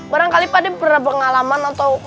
barangkali pakde pernah pengalaman atau